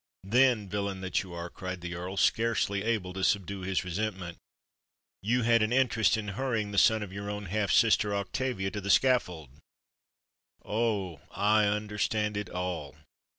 "Then, villain that you are," cried the Earl, scarcely able to subdue his resentment, "you had an interest in hurrying the son of your own half sister Octavia to the scaffold!—Oh! I understand it all!